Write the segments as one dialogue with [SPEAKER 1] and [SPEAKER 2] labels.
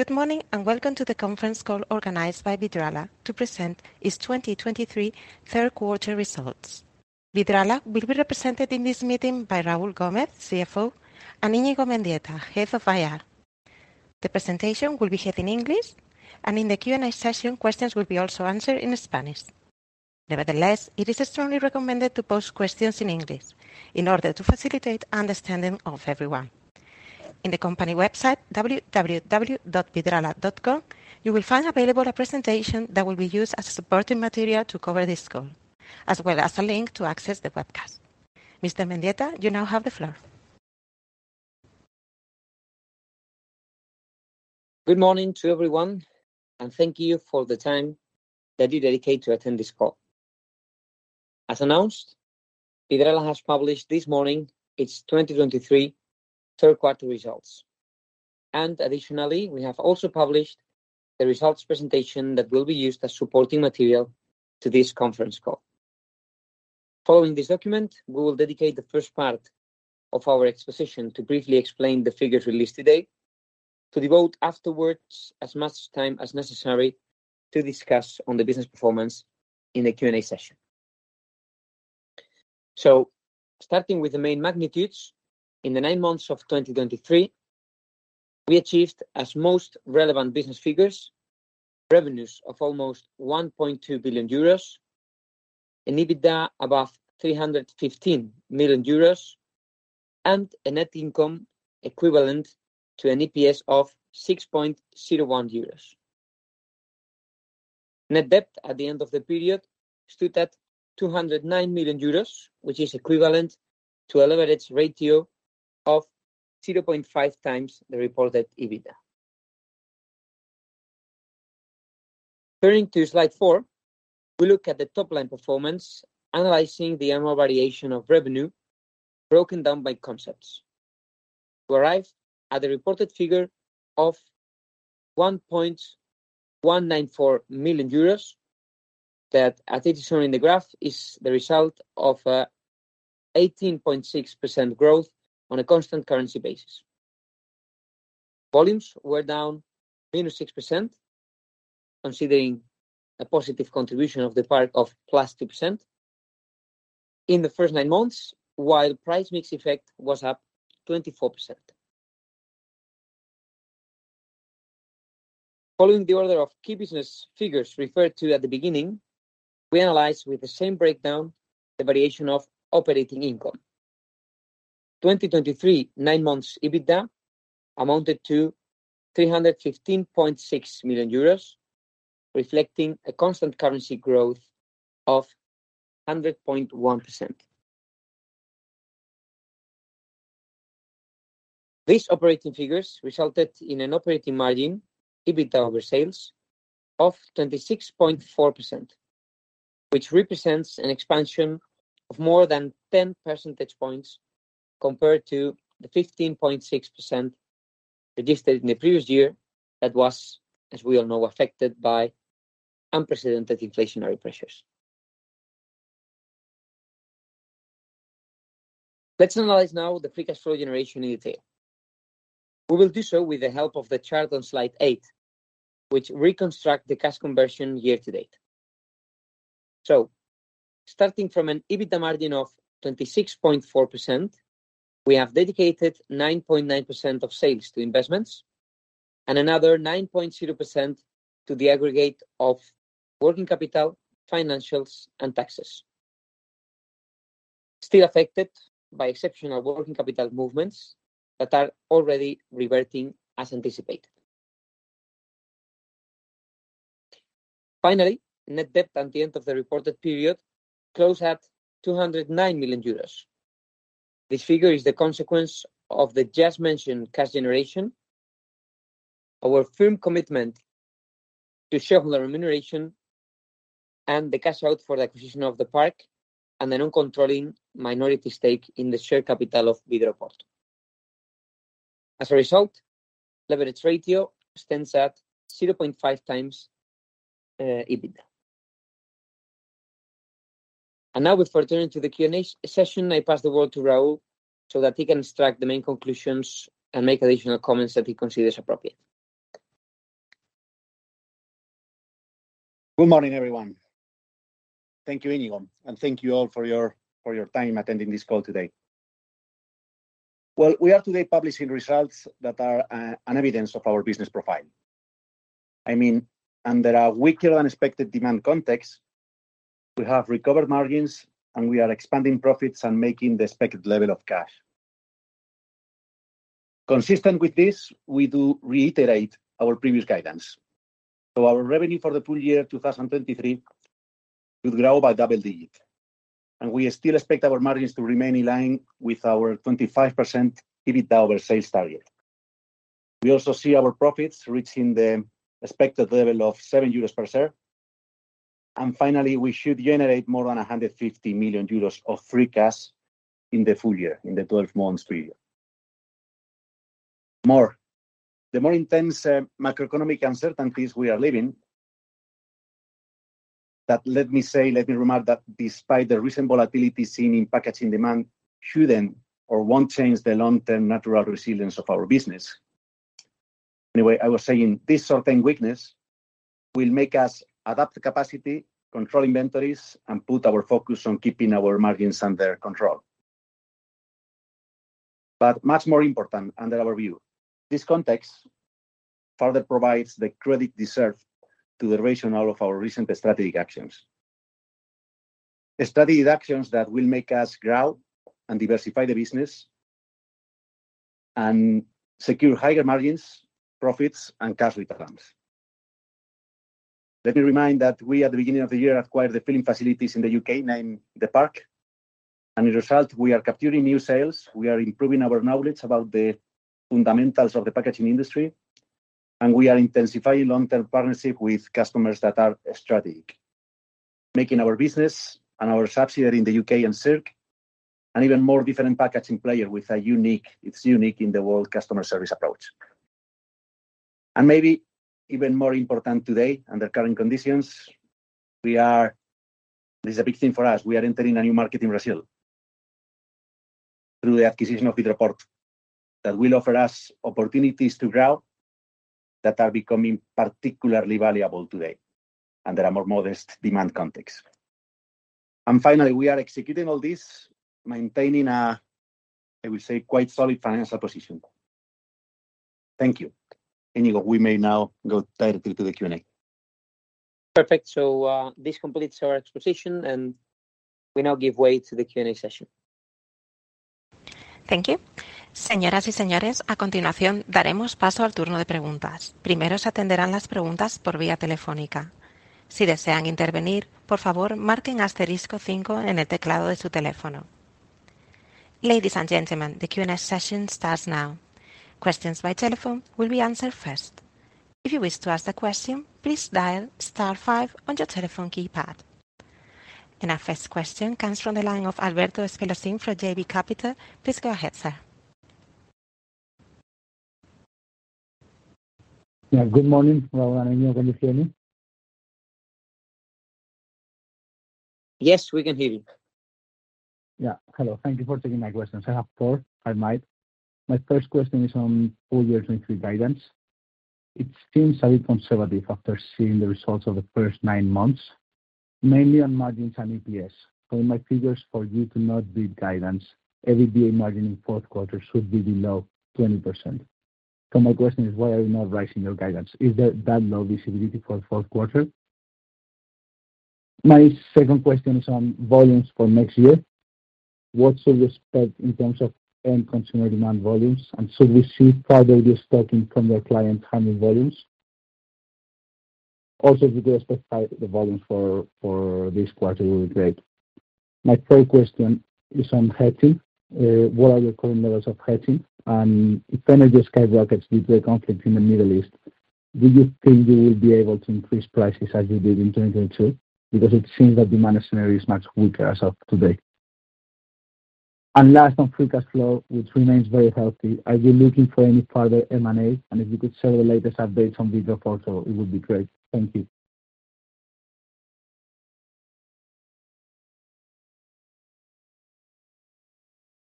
[SPEAKER 1] Good morning, and welcome to the conference call organized by Vidrala to present its 2023 Third Quarter Results. Vidrala will be represented in this meeting by Raúl Gómez, CFO, and Iñigo Mendieta, Head of IR. The presentation will be held in English, and in the Q&A session, questions will be also answered in Spanish. Nevertheless, it is strongly recommended to pose questions in English in order to facilitate understanding of everyone. In the company website, www.vidrala.com, you will find available a presentation that will be used as supporting material to cover this call, as well as a link to access the webcast. Mr. Mendieta, you now have the floor.
[SPEAKER 2] Good morning to everyone, and thank you for the time that you dedicate to attend this call. As announced, Vidrala has published this morning its 2023 third quarter results, and additionally, we have also published the results presentation that will be used as supporting material to this conference call. Following this document, we will dedicate the first part of our exposition to briefly explain the figures released today, to devote afterwards as much time as necessary to discuss on the business performance in the Q&A session. Starting with the main magnitudes, in the nine months of 2023, we achieved as most relevant business figures, revenues of almost 1.2 billion euros, an EBITDA above 315 million euros, and a net income equivalent to an EPS of 6.01 euros. Net debt at the end of the period stood at 209 million euros, which is equivalent to a leverage ratio of 0.5x the reported EBITDA. Turning to slide four, we look at the top line performance, analyzing the annual variation of revenue, broken down by concepts, to arrive at the reported figure of 1,194 million euros, that, as it is shown in the graph, is the result of, 18.6% growth on a constant currency basis. Volumes were down -6%, considering a positive contribution of The Park of +2% in the first nine months, while price mix effect was up 24%. Following the order of key business figures referred to at the beginning, we analyze with the same breakdown, the variation of operating income. 2023, 9 months EBITDA amounted to 315.6 million euros, reflecting a constant currency growth of 100.1%. These operating figures resulted in an operating margin, EBITDA over sales, of 26.4%, which represents an expansion of more than 10 percentage points compared to the 15.6% registered in the previous year. That was, as we all know, affected by unprecedented inflationary pressures. Let's analyze now the free cash flow generation in detail. We will do so with the help of the chart on slide eight, which reconstruct the cash conversion year to date. Starting from an EBITDA margin of 26.4%, we have dedicated 9.9% of sales to investments and another 9.0% to the aggregate of working capital, financials, and taxes, still affected by exceptional working capital movements that are already reverting as anticipated. Finally, net debt at the end of the reported period closed at 209 million euros. This figure is the consequence of the just mentioned cash generation, our firm commitment to shareholder remuneration, and the cash out for the acquisition of The Park, and the non-controlling minority stake in the share capital of Vidroporto. As a result, leverage ratio stands at 0.5x EBITDA. And now, before turning to the Q&A session, I pass the word to Raúl so that he can extract the main conclusions and make additional comments that he considers appropriate.
[SPEAKER 3] Good morning, everyone. Thank you, Iñigo, and thank you all for your, for your time attending this call today. Well, we are today publishing results that are an evidence of our business profile. I mean, under a weaker-than-expected demand context, we have recovered margins, and we are expanding profits and making the expected level of cash. Consistent with this, we do reiterate our previous guidance. So our revenue for the full year 2023 will grow by double-digit, and we still expect our margins to remain in line with our 25% EBITDA over sales target. We also see our profits reaching the expected level of 7 euros per share. And finally, we should generate more than 150 million euros of free cash in the full year, in the twelve months period. More, the more intense macroeconomic uncertainties we are living. That, let me say, let me remind that despite the recent volatility seen in packaging demand, shouldn't or won't change the long-term natural resilience of our business. Anyway, I was saying this certain weakness will make us adapt the capacity, control inventories, and put our focus on keeping our margins under control. But much more important under our view, this context further provides the credit deserved to the rationale of our recent strategic actions. Strategic actions that will make us grow and diversify the business and secure higher margins, profits, and cash returns. Let me remind that we, at the beginning of the year, acquired the filling facilities in the U.K., named The Park, and as a result, we are capturing new sales, we are improving our knowledge about the fundamentals of the packaging industry, and we are intensifying long-term partnership with customers that are strategic, making our business and our subsidiary in the U.K. Encirc, an even more different packaging player with a unique, it's unique in the world customer service approach. And maybe even more important today, under current conditions, we are, this is a big thing for us, we are entering a new market in Brazil through the acquisition of Vidroporto, that will offer us opportunities to grow, that are becoming particularly valuable today, under a more modest demand context. And finally, we are executing all this, maintaining a, I would say, quite solid financial position. Thank you. Iñigo, we may now go directly to the Q&A.
[SPEAKER 2] Perfect. So, this completes our exposition, and we now give way to the Q&A session.
[SPEAKER 1] Thank you. Ladies and gentlemen, the Q&A session starts now. Questions by telephone will be answered first. If you wish to ask a question, please dial star five on your telephone keypad. Our first question comes from the line of Alberto Espinosa from JB Capital. Please go ahead, sir.
[SPEAKER 4] Yeah. Good morning, Raúl. Can you hear me?
[SPEAKER 2] Yes, we can hear you.
[SPEAKER 4] Yeah. Hello. Thank you for taking my questions. I have four, I might. My first question is on full year 2023 guidance. It seems a bit conservative after seeing the results of the first nine months, mainly on margins and EPS. So in my figures, for you to not beat guidance, EBITDA margin in fourth quarter should be below 20%. So my question is: Why are you not raising your guidance? Is there that low visibility for fourth quarter? My second question is on volumes for next year. What should we expect in terms of end consumer demand volumes, and should we see further destocking from your client handling volumes? Also, if you could specify the volume for, for this quarter, it would be great. My third question is on hedging. What are your current levels of hedging? If energy skyrockets with the conflict in the Middle East, do you think you will be able to increase prices as you did in 2022? Because it seems that demand scenario is much weaker as of today. Last, on free cash flow, which remains very healthy, are you looking for any further M&A? If you could share the latest updates on Vidroporto, it would be great. Thank you.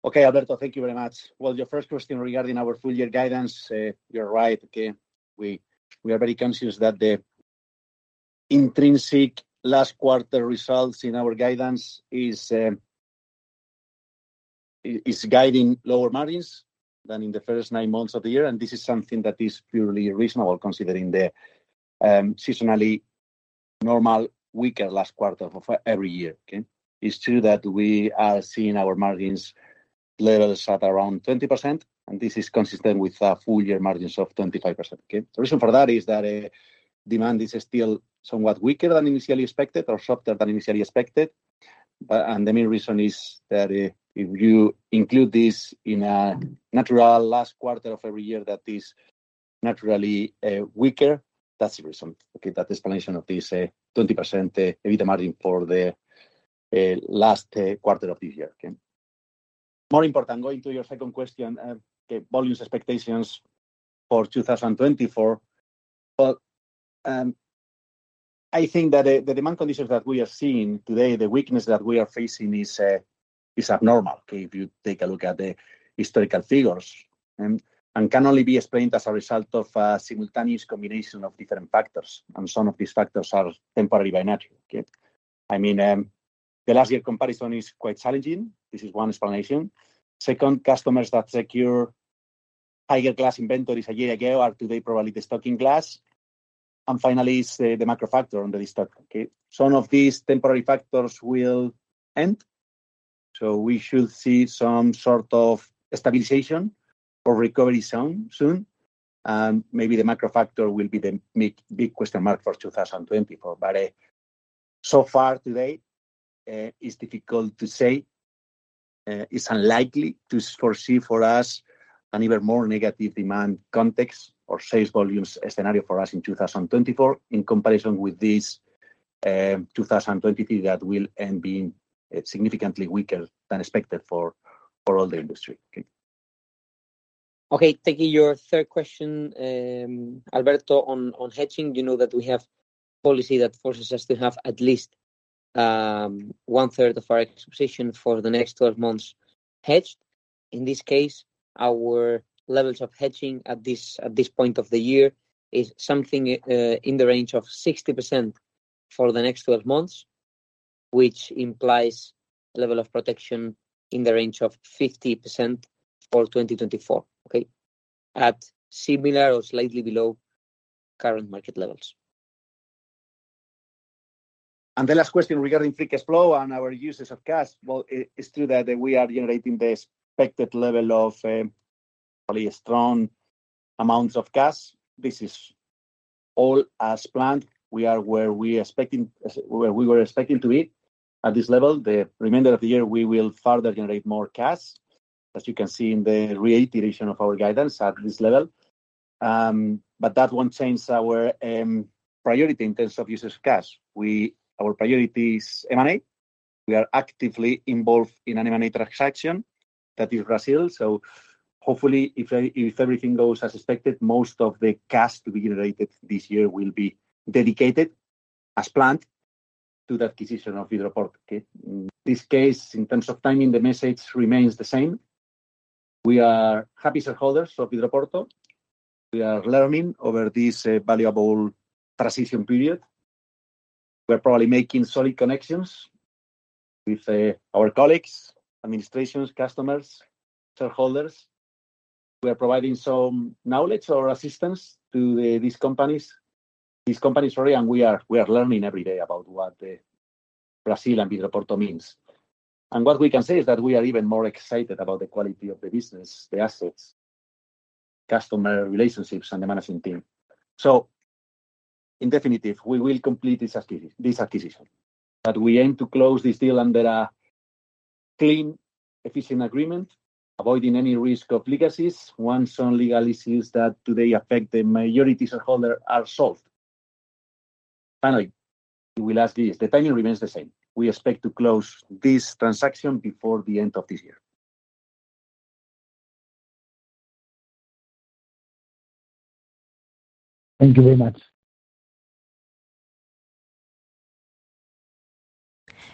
[SPEAKER 3] Okay, Alberto, thank you very much. Well, your first question regarding our full year guidance, you're right, okay? We are very conscious that the intrinsic last quarter results in our guidance is guiding lower margins than in the first nine months of the year, and this is something that is purely reasonable, considering the seasonally normal weaker last quarter of every year, okay? It's true that we are seeing our margins levels at around 20%, and this is consistent with full year margins of 25%, okay? The reason for that is that demand is still somewhat weaker than initially expected or shorter than initially expected. But and the main reason is that if you include this in a natural last quarter of every year, that is naturally weaker, that's the reason, okay? That explanation of this 20% EBITDA margin for the last quarter of the year, okay? More important, going to your second question, okay, volumes expectations for 2024. But I think that the demand conditions that we are seeing today, the weakness that we are facing is abnormal, okay, if you take a look at the historical figures, and can only be explained as a result of a simultaneous combination of different factors, and some of these factors are temporary by nature, okay? I mean, the last year comparison is quite challenging. This is one explanation. Second, customers that secure higher glass inventories a year ago are today probably destocking glass. And finally, is the macro factor on the restock, okay? Some of these temporary factors will end, so we should see some sort of stabilization or recovery soon, soon. Maybe the macro factor will be the big, big question mark for 2024. But, so far to date, it's difficult to say. It's unlikely to foresee for us an even more negative demand context or sales volumes scenario for us in 2024, in comparison with this, 2023, that will end being significantly weaker than expected for, for all the industry, okay. Okay, taking your third question, Alberto, on hedging, you know that we have policy that forces us to have at least, one third of our exposure for the next 12 months hedged. In this case, our levels of hedging at this point of the year is something in the range of 60% for the next 12 months, which implies a level of protection in the range of 50% for 2024, okay? At similar or slightly below current market levels. The last question regarding free cash flow and our uses of cash. Well, it's true that we are generating the expected level of probably a strong amounts of cash. This is all as planned. We are where we were expecting to be. At this level, the remainder of the year, we will further generate more cash, as you can see in the reiteration of our guidance at this level. But that won't change our priority in terms of uses of cash. Our priority is M&A. We are actively involved in an M&A transaction, that is Brazil. So hopefully, if everything goes as expected, most of the cash to be generated this year will be dedicated, as planned, to the acquisition of Vidroporto, okay? In this case, in terms of timing, the message remains the same. We are happy shareholders of Vidroporto. We are learning over this valuable transition period. We're probably making solid connections with our colleagues, administrations, customers, shareholders. We are providing some knowledge or assistance to these companies, sorry, and we are learning every day about what Brazil and Vidroporto means. And what we can say is that we are even more excited about the quality of the business, the assets, customer relationships, and the management team. So, definitively, we will complete this acquisition, but we aim to close this deal under a clean, efficient agreement, avoiding any risk of legacies, once some legal issues that today affect the majority shareholder are solved. Finally, we will ask this, the timing remains the same. We expect to close this transaction before the end of this year.
[SPEAKER 5] Thank you very much.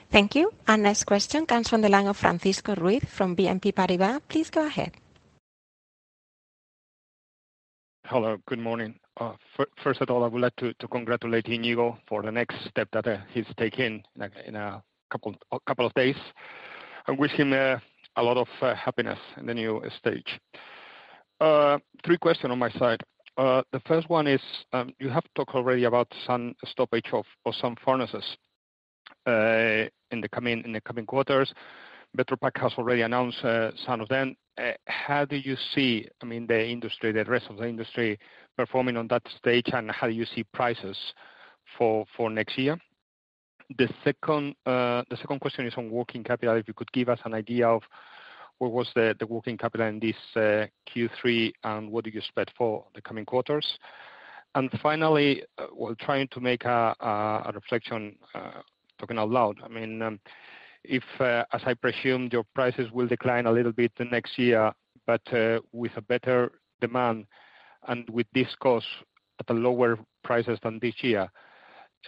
[SPEAKER 1] Thank you. Our next question comes from the line of Francisco Ruiz from BNP Paribas. Please go ahead.
[SPEAKER 6] Hello, good morning. First of all, I would like to congratulate Iñigo for the next step that he's taking, like, in a couple of days, and wish him a lot of happiness in the new stage. Three question on my side. The first one is, you have talked already about some stoppage of, or some furnaces, in the coming quarters. Vetropack has already announced some of them. How do you see, I mean, the industry, the rest of the industry, performing on that stage, and how do you see prices for next year? The second question is on working capital. If you could give us an idea of what was the working capital in this Q3, and what do you expect for the coming quarters? Finally, we're trying to make a reflection, talking out loud. I mean, if as I presume, your prices will decline a little bit the next year, but with a better demand, and with this cost at a lower prices than this year,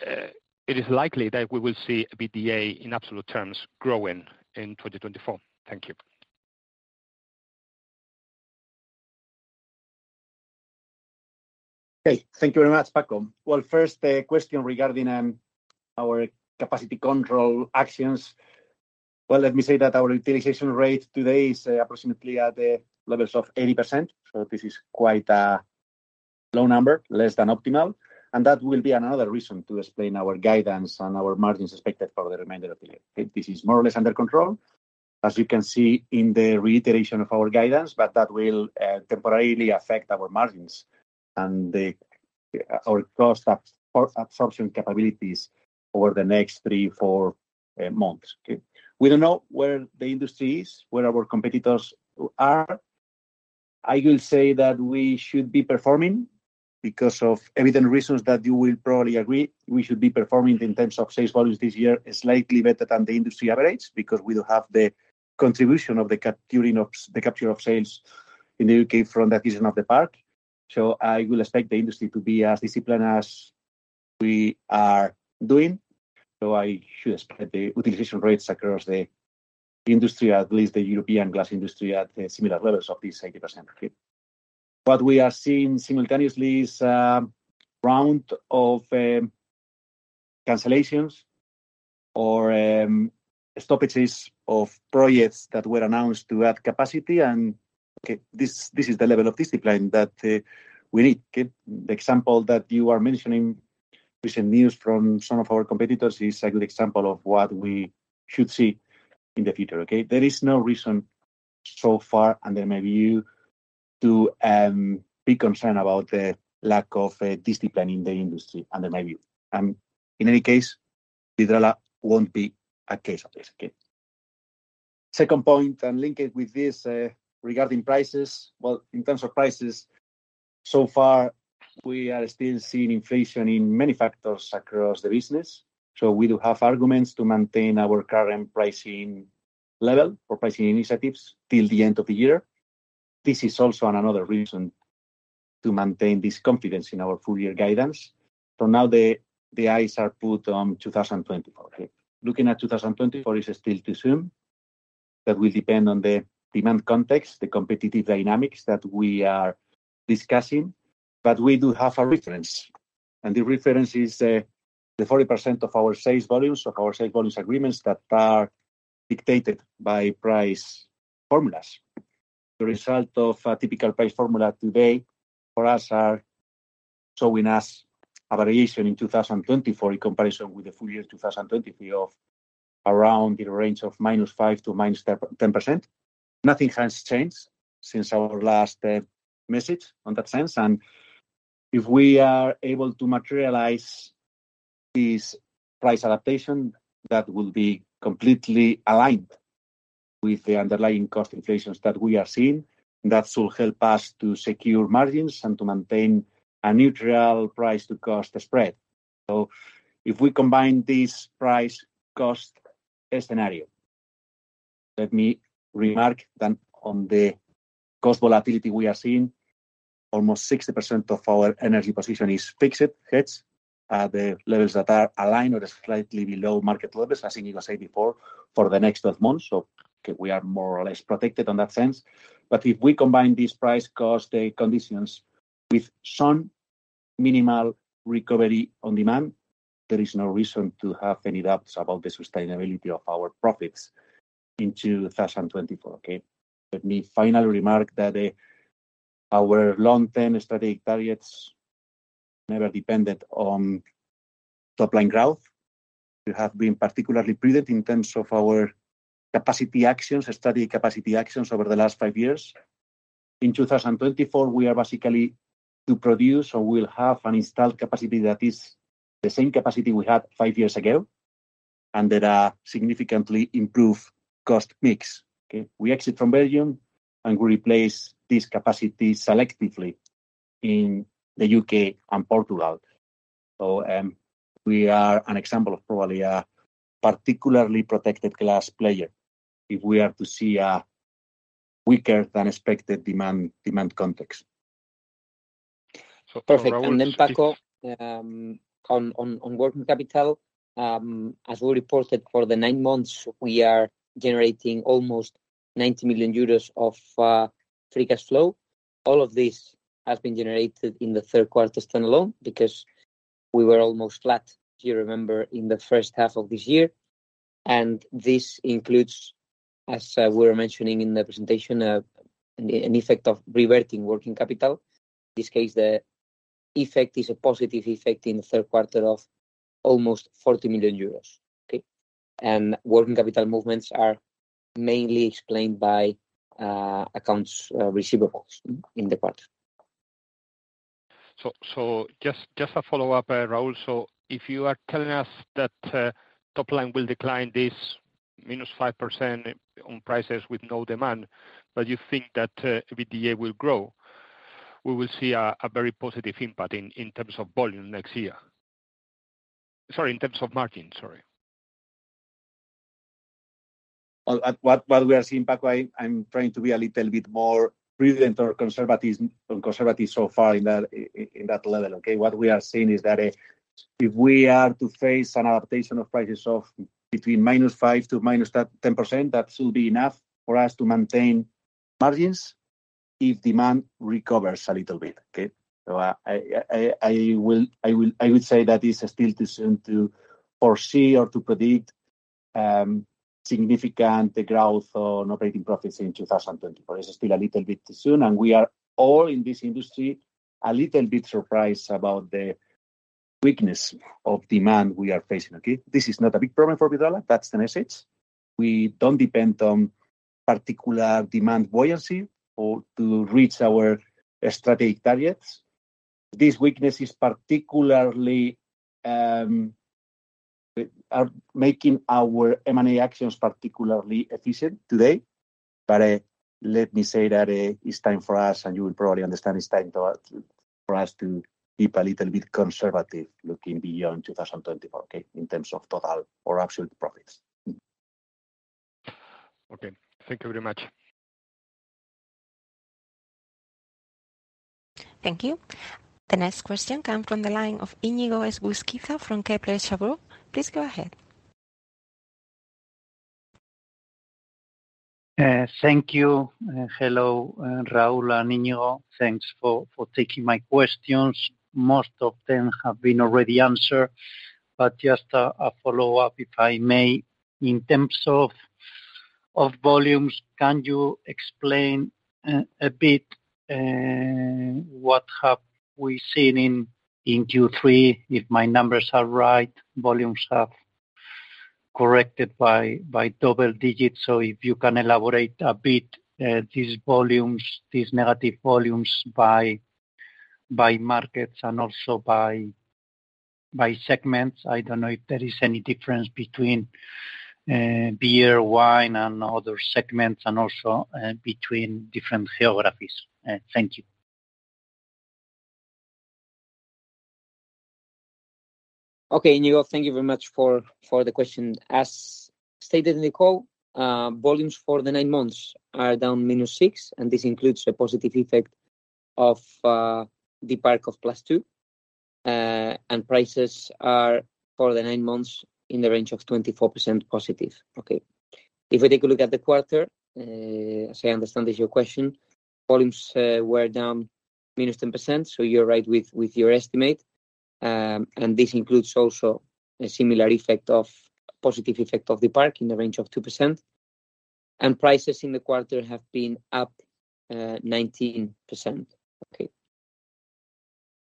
[SPEAKER 6] it is likely that we will see an EBITDA, in absolute terms, growing in 2024. Thank you.
[SPEAKER 3] Okay. Thank you very much, Paco. Well, first, the question regarding our capacity control actions. Well, let me say that our utilization rate today is approximately at the levels of 80%, so this is quite a low number, less than optimal, and that will be another reason to explain our guidance and our margins expected for the remainder of the year, okay? This is more or less under control, as you can see in the reiteration of our guidance, but that will temporarily affect our margins and our cost absorption capabilities over the next three-four months, okay? We don't know where the industry is, where our competitors are. I will say that we should be performing, because of evident reasons that you will probably agree, we should be performing in terms of sales volumes this year, slightly better than the industry average, because we don't have the contribution of the capturing of, the capture of sales in the U.K. from that season of The Park. So I will expect the industry to be as disciplined as we are doing. So I should expect the utilization rates across the industry, at least the European glass industry, at the similar levels of this 80%. Okay, but we are seeing simultaneously this round of cancellations or stoppages of projects that were announced to add capacity, and, okay, this is the level of discipline that we need, okay? The example that you are mentioning, recent news from some of our competitors, is a good example of what we should see in the future, okay? There is no reason so far, and then maybe you to be concerned about the lack of discipline in the industry and then maybe. In any case, Vidrala won't be a case of this, okay? Second point, and link it with this, regarding prices. Well, in terms of prices so far, we are still seeing inflation in many factors across the business, so we do have arguments to maintain our current pricing level or pricing initiatives till the end of the year. This is also another reason to maintain this confidence in our full year guidance. For now, the eyes are put on 2024, okay? Looking at 2024 is still too soon. That will depend on the demand context, the competitive dynamics that we are discussing, but we do have a reference, and the reference is, the 40% of our sales volumes, of our sales volumes agreements that are dictated by price formulas. The result of a typical price formula today for us are showing us a variation in 2024 in comparison with the full year 2023 of around the range of -5% to -10%. Nothing has changed since our last, message on that sense, and if we are able to materialize this price adaptation, that will be completely aligned with the underlying cost inflations that we are seeing, that will help us to secure margins and to maintain a neutral price-to-cost spread. So if we combine this price cost scenario, let me remark then on the cost volatility we are seeing. Almost 60% of our energy position is fixed hedges at the levels that are aligned or slightly below market levels, as Iñigo said before, for the next 12 months, so we are more or less protected on that sense. But if we combine these price cost conditions with some minimal recovery on demand, there is no reason to have any doubts about the sustainability of our profits in 2024, okay? Let me finally remark that, our long-term strategic targets never depended on top-line growth. We have been particularly prudent in terms of our capacity actions, strategic capacity actions over the last 5 years. In 2024, we are basically to produce or we'll have an installed capacity that is the same capacity we had five years ago, and that significantly improve cost mix, okay? We exit from Belgium, and we replace this capacity selectively in the U.K. and Portugal. So, we are an example of probably a particularly protected class player if we are to see a weaker than expected demand, demand context.
[SPEAKER 6] Perfect.
[SPEAKER 2] And then, Paco, on working capital, as we reported for the nine months, we are generating almost 90 million euros of free cash flow. All of this has been generated in the third quarter stand-alone because we were almost flat, if you remember, in the first half of this year, and this includes, as we were mentioning in the presentation, an effect of reverting working capital. This case, the effect is a positive effect in the third quarter of almost 40 million euros, okay? And working capital movements are mainly explained by accounts receivables in the quarter.
[SPEAKER 6] So, just a follow-up, Raúl. So if you are telling us that top line will decline this -5% on prices with no demand, but you think that EBITDA will grow, we will see a very positive impact in terms of volume next year. Sorry, in terms of margin, sorry.
[SPEAKER 3] Well, what we are seeing, Paco, I'm trying to be a little bit more prudent or conservative so far in that level, okay? What we are seeing is that if we are to face an adaptation of prices of between -5% to -10%, that will be enough for us to maintain margins if demand recovers a little bit, okay? So I would say that it's still too soon to foresee or to predict significant growth on operating profits in 2024. It's still a little bit too soon, and we are all in this industry a little bit surprised about the weakness of demand we are facing, okay? This is not a big problem for Vidrala. That's the message. We don't depend on particular demand buoyancy or to reach our strategic targets. This weakness is particularly are making our M&A actions particularly efficient today. But, let me say that, it's time for us, and you will probably understand, it's time to, for us to keep a little bit conservative looking beyond 2024, okay, in terms of total or absolute profits.
[SPEAKER 6] Okay. Thank you very much.
[SPEAKER 1] Thank you. The next question comes from the line of Iñigo Egusquiza from Kepler Cheuvreux. Please go ahead.
[SPEAKER 5] Thank you. Hello, Raúl and Iñigo. Thanks for taking my questions. Most of them have been already answered, but just a follow-up, if I may. In terms of volumes, can you explain a bit what have we seen in Q3? If my numbers are right, volumes have corrected by double digits. So if you can elaborate a bit these volumes, these negative volumes by markets and also by segments. I don't know if there is any difference between beer, wine, and other segments, and also between different geographies. Thank you.
[SPEAKER 2] Okay, Iñigo, thank you very much for the question. As stated in the call, volumes for the nine months are down -6%, and this includes a positive effect of The Park of +2%. And prices are, for the nine months, in the range of 24% positive. Okay. If we take a look at the quarter, as I understand is your question, volumes were down -10%, so you're right with your estimate. And this includes also a similar positive effect of The Park in the range of 2%, and prices in the quarter have been up 19%. Okay.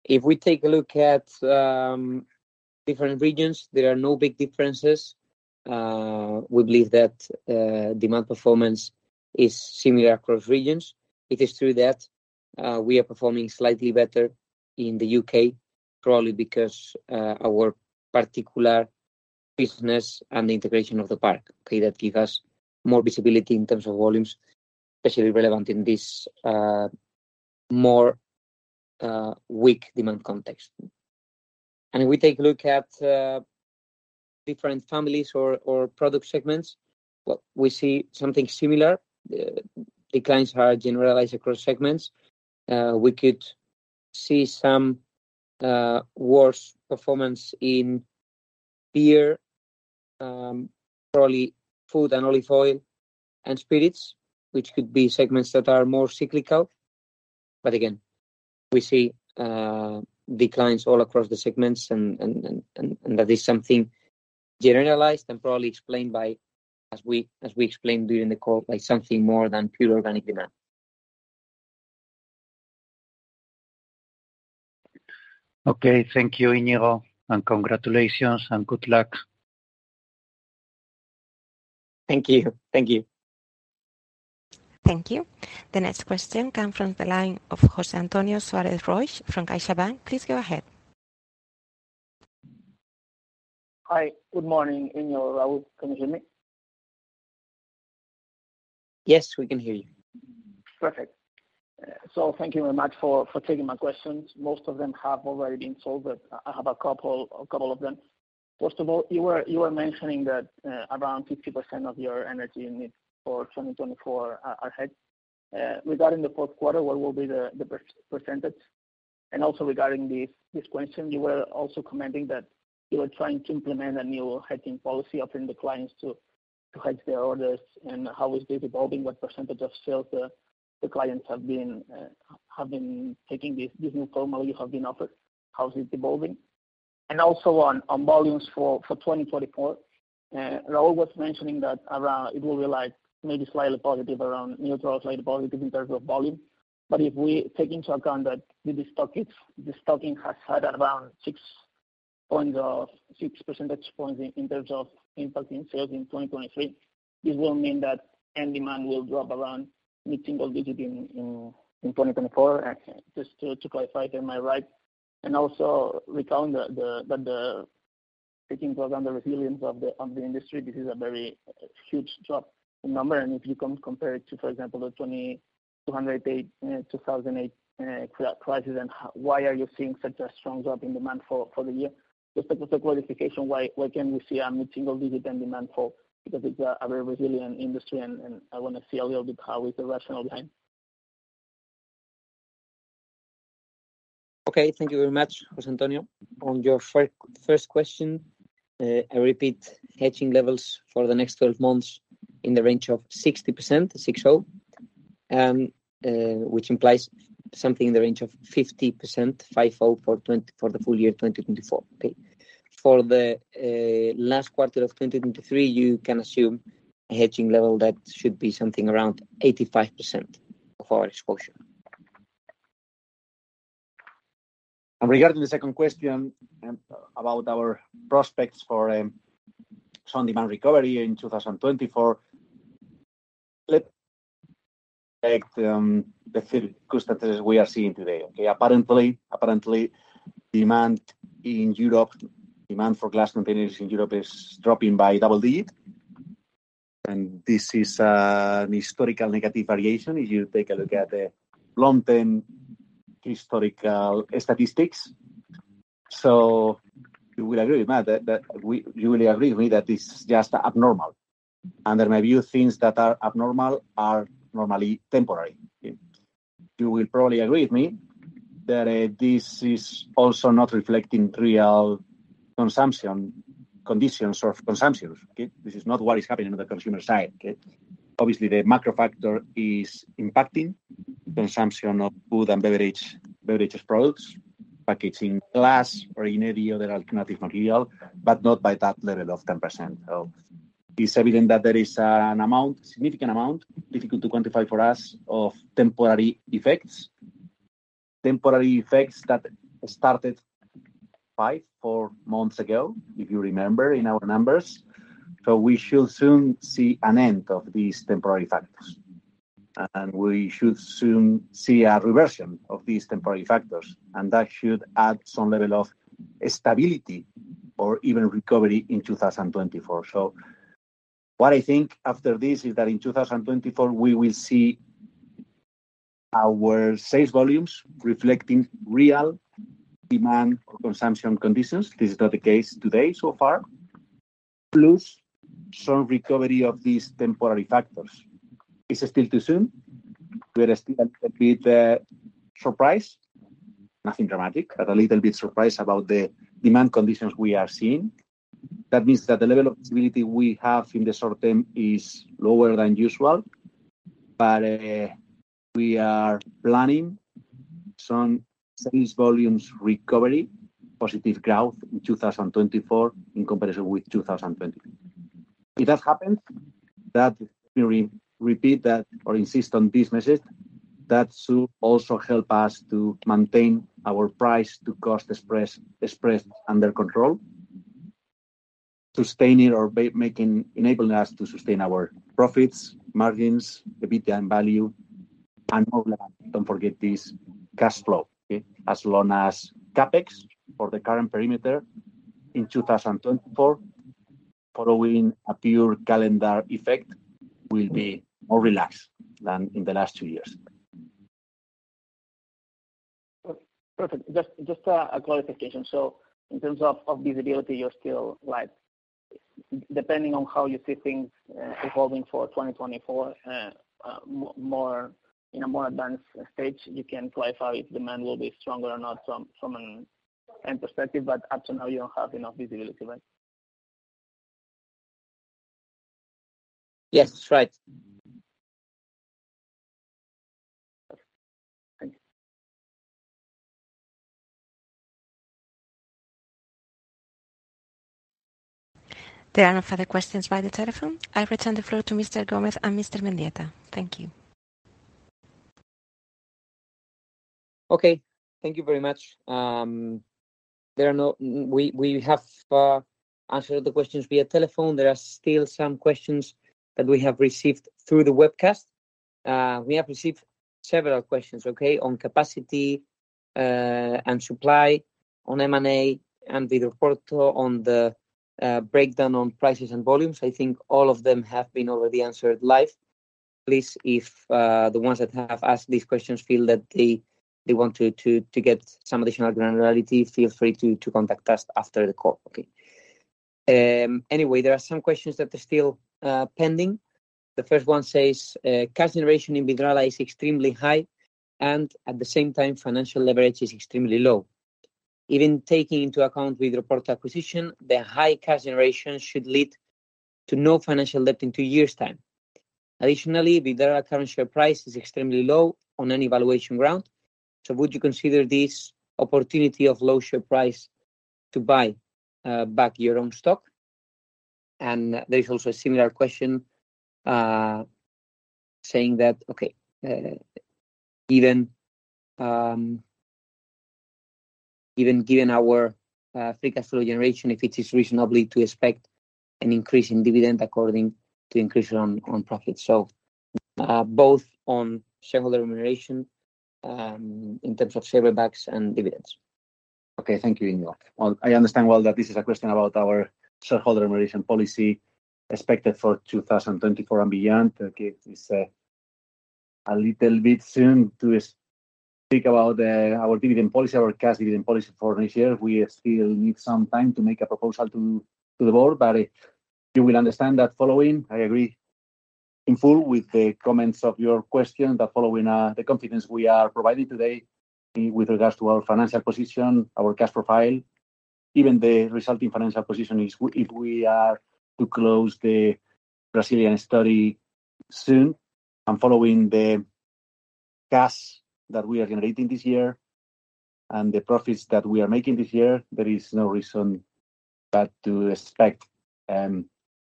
[SPEAKER 2] If we take a look at different regions, there are no big differences. We believe that demand performance is similar across regions. It is true that we are performing slightly better in the U.K., probably because our particular business and the integration of The Park, okay, that give us more visibility in terms of volumes, especially relevant in this more weak demand context. And if we take a look at different families or product segments, well, we see something similar. Declines are generalized across segments. We could see some worse performance in beer, probably food and olive oil and spirits, which could be segments that are more cyclical. But again, we see declines all across the segments and that is something generalized and probably explained by, as we explained during the call, by something more than pure organic demand.
[SPEAKER 5] Okay. Thank you, Iñigo, and congratulations, and good luck.
[SPEAKER 2] Thank you. Thank you.
[SPEAKER 1] Thank you. The next question come from the line of José Antonio Suárez Roy from CaixaBank. Please go ahead.
[SPEAKER 7] Hi, good morning, Iñigo, Raúl. Can you hear me?
[SPEAKER 2] Yes, we can hear you.
[SPEAKER 7] Perfect. So thank you very much for taking my questions. Most of them have already been solved, but I have a couple of them. First of all, you were mentioning that around 50% of your energy needs for 2024 are ahead. Regarding the fourth quarter, what will be the percentage? And also regarding this question, you were also commenting that you were trying to implement a new hedging policy, offering the clients to hedge their orders, and how is this evolving? What percentage of sales the clients have been taking this new formula you have been offered? How is it evolving? And also on volumes for 2024, Raúl was mentioning that around—It will be, like, maybe slightly positive, around neutral or slightly positive in terms of volume. But if we take into account that with the stockists, destocking has had around 6 percentage points in terms of impacting sales in 2023, this will mean that end demand will drop around mid-single digit in 2024. Just to clarify, am I right? And also recount the, the, that taking into account the resilience of the, of the industry, this is a very huge drop in number. And if you compare it to, for example, the 2008 crisis, then why are you seeing such a strong drop in demand for the year? Just a clarification, why can we see a mid-single digit in demand, because it's a very resilient industry, and I want to see a little bit how is the rationale behind?
[SPEAKER 2] Okay, thank you very much, José Antonio. On your first question, I repeat, hedging levels for the next 12 months in the range of 60%, six-oh, which implies something in the range of 50%, five-oh, for the full year 2024, okay? For the last quarter of 2023, you can assume a hedging level that should be something around 85% of our exposure. Regarding the second question, about our prospects for some demand recovery in 2024, let's take the current circumstances we are seeing today, okay? Apparently, demand in Europe, demand for glass containers in Europe is dropping by double-digit, and this is an historical negative variation if you take a look at the long-term historical statistics. So you will agree with me that you will agree with me that this is just abnormal. Under my view, things that are abnormal are normally temporary. You will probably agree with me that this is also not reflecting real consumption, conditions of consumption. Okay? This is not what is happening on the consumer side, okay? Obviously, the macro factor is impacting consumption of food and beverage, beverages products, packaging, glass, or any other alternative material, but not by that level of 10%. So it's evident that there is an amount, significant amount, difficult to quantify for us, of temporary effects. Temporary effects that started 5 months, 4 months ago, if you remember, in our numbers, so we should soon see an end of these temporary factors....
[SPEAKER 3] and we should soon see a reversion of these temporary factors, and that should add some level of, stability or even recovery in 2024. So what I think after this is that in 2024, we will see our sales volumes reflecting real demand or consumption conditions. This is not the case today, so far. Plus, some recovery of these temporary factors. It's still too soon. We are still a bit, surprised, nothing dramatic, but a little bit surprised about the demand conditions we are seeing. That means that the level of visibility we have in the short term is lower than usual, but, we are planning some sales volumes recovery, positive growth in 2024 in comparison with 2023. If that happens, that we repeat that or insist on this message, that should also help us to maintain our price-to-cost spread under control, sustaining or making enabling us to sustain our profits, margins, EBITDA value, and all that. Don't forget this, cash flow, okay? As long as CapEx for the current perimeter in 2024, following a pure calendar effect, will be more relaxed than in the last two years.
[SPEAKER 7] Perfect. Just a clarification. So in terms of visibility, you're still, like, depending on how you see things, more in a more advanced stage, you can clarify if demand will be stronger or not from an end perspective, but up to now, you don't have enough visibility, right?
[SPEAKER 2] Yes, that's right.
[SPEAKER 7] Okay. Thank you.
[SPEAKER 1] There are no further questions by the telephone. I return the floor to Mr. Gómez and Mr. Mendieta. Thank you.
[SPEAKER 2] Okay. Thank you very much. We have answered the questions via telephone. There are still some questions that we have received through the webcast. We have received several questions, okay, on capacity and supply, on M&A, and the report on the breakdown on prices and volumes. I think all of them have been already answered live. Please, if the ones that have asked these questions feel that they want to get some additional granularity, feel free to contact us after the call, okay? Anyway, there are some questions that are still pending. The first one says, "Cash generation in Vidrala is extremely high, and at the same time, financial leverage is extremely low. Even taking into account Vidroporto acquisition, the high cash generation should lead to no financial debt in two years' time. Additionally, Vidrala current share price is extremely low on any valuation ground. So would you consider this opportunity of low share price to buy back your own stock? There is also a similar question saying that, okay, even given our free cash flow generation, if it is reasonable to expect an increase in dividend according to increase on profit. So, both on shareholder remuneration in terms of share buybacks and dividends. Okay, thank you, Iñigo.
[SPEAKER 3] Well, I understand well that this is a question about our shareholder remuneration policy expected for 2024 and beyond. Okay, it's a little bit soon to speak about our dividend policy, our cash dividend policy for next year. We still need some time to make a proposal to the board, but you will understand that following, I agree in full with the comments of your question, that following the confidence we are providing today with regards to our financial position, our cash profile, even the resulting financial position if we are to close the Brazilian study soon, and following the cash that we are generating this year and the profits that we are making this year, there is no reason but to expect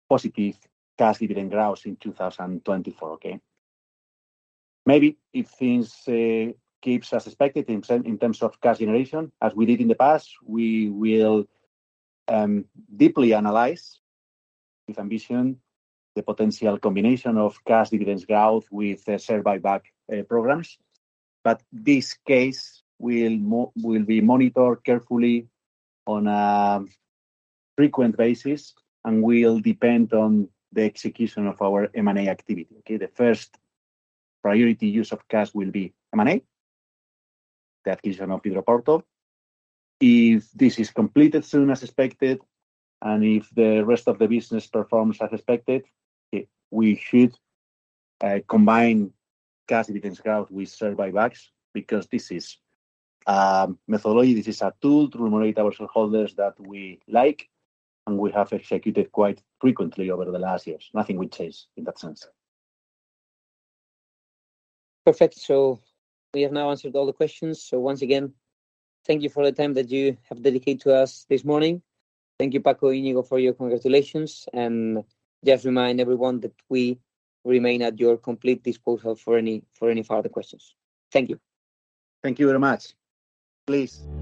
[SPEAKER 3] positive cash dividend growth in 2024, okay? Maybe if things keeps as expected in terms of cash generation, as we did in the past, we will deeply analyze with ambition the potential combination of cash dividends growth with share buyback programs. But this case will be monitored carefully on a frequent basis and will depend on the execution of our M&A activity, okay? The first priority use of cash will be M&A. That is on Vidroporto. If this is completed soon as expected, and if the rest of the business performs as expected, we should combine cash dividends growth with share buybacks, because this is methodology. This is a tool to remunerate our shareholders that we like, and we have executed quite frequently over the last years. Nothing will change in that sense.
[SPEAKER 2] Perfect. So we have now answered all the questions. So once again, thank you for the time that you have dedicated to us this morning. Thank you, Paco, Iñigo, for your congratulations, and just remind everyone that we remain at your complete disposal for any, for any further questions. Thank you.
[SPEAKER 3] Thank you very much. Please.